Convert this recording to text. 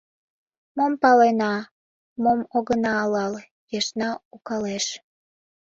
Мом палена, мом огына Алал ешна укалеш.